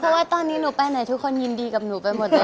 เพราะตอนนี้นี่มันไปเลยทุกคนยินดีวันนี้กับฉันไปหมดเลยค่ะ